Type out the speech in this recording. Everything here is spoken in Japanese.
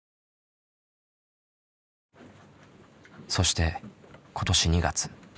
そして今年２月。